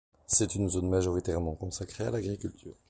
C'est une zone majoritairement consacrée à l'agriculture.